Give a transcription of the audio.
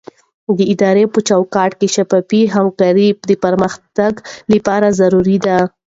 د ادارې په چوکاټ کې شفافه همکاري د پرمختګ لپاره ضروري ده.